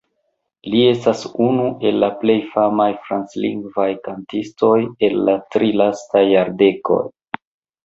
Li estas unu el la plej famaj franclingvaj kantistoj el la tri lastaj jardekoj.